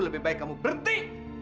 lebih baik kamu berhenti